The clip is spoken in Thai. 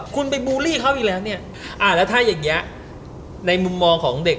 คุณไปอ๋อเหรอคุณไปอ๋อแล้วถ้าอย่างเงี้ยในมุมมองของเด็ก